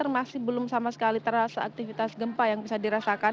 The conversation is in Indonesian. masih belum sama sekali terasa aktivitas gempa yang bisa dirasakan